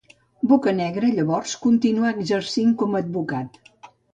Bocanegra, llavors, continuà exercint com a avocat.